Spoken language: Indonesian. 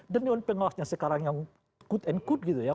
dan dewan pengawasnya sekarang yang good and good gitu ya